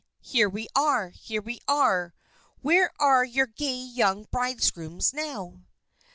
Here we are! Here we are! Where are your gay young bridegrooms now?"